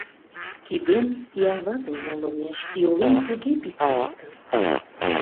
Кидем сӱанватынла лоҥеш, йолем туге писештын.